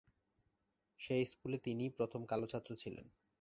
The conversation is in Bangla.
সেই স্কুলে তিনিই প্রথম কালো ছাত্র ছিলেন।